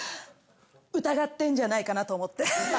疑ってんじゃないかなと思って。